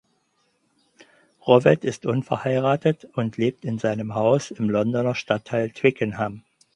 Rowett ist unverheiratet und lebt in seinem Haus im Londoner Stadtteil Twickenham.